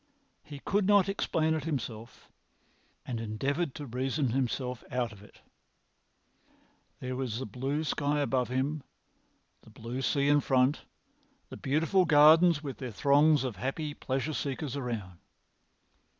He could not explain it himself, and endeavoured to reason himself out of it. There was the blue sky above him, the blue sea in front, the beautiful gardens with their throngs of happy pleasure seekers around.